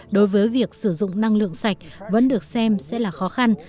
đối với việc sử dụng năng lượng sạch vẫn được xem sẽ là khó khăn